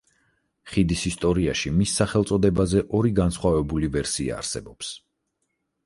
ხიდის ისტორიაში მისი სახელწოდებაზე ორი განსხვავებული ვერსია არსებობს.